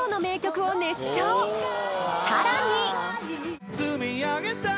さらに！